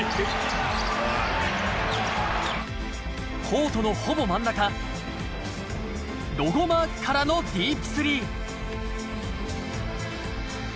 コートのほぼ真ん中、ロゴマークからのディープスリー。